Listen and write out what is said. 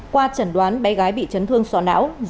qua trần đoán bé gái bị chấn thương sọ não dập phổi